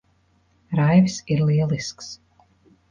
Raivis ir lielisks.